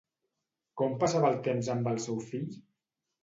Com passava el temps amb el seu fill?